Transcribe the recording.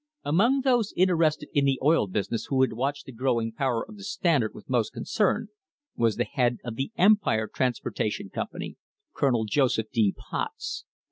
Among; those interested in the oil business who had watched the grow ing power of the Standard with most concern was the head of j the Empire Transportation Company, Colonel Joseph D. Potts.